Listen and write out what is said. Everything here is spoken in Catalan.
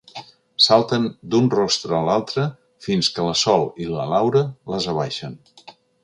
Salten d'un rostre a l'altre fins que la Sol i la Laura les abaixen.